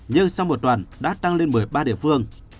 nhưng sau một tuần đã tăng lên một mươi ba địa phương